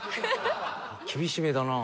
厳しめだなぁ。